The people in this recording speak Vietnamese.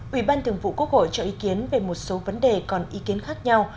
ủy ban thường vụ quốc hội cho ý kiến về một số vấn đề còn ý kiến khác nhau